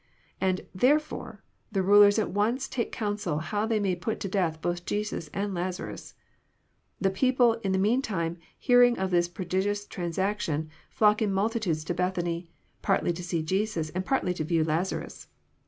And therefore the rulers at once take counsel how they may put to death both Jesus and Lazarus. The people, in the mean time hearing of this prodigious transaction, flock in multitudes to Bethany, partly to see Jesus, and partly to view Lazarus.